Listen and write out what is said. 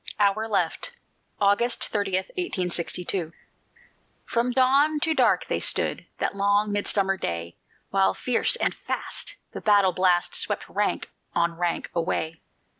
"OUR LEFT" [August 30, 1862] From dawn to dark they stood That long midsummer day, While fierce and fast The battle blast Swept rank on rank away.